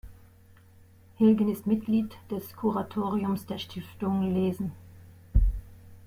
Hilgen ist Mitglied des Kuratoriums der Stiftung Lesen.